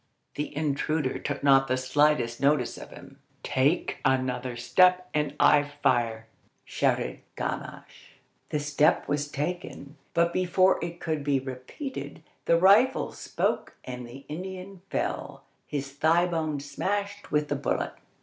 The intruder took not the slightest notice of him. "Take another step and I fire," shouted Gamache. The step was taken, but before it could be repeated, the rifle spoke and the Indian fell, his thigh bone smashed with the bullet.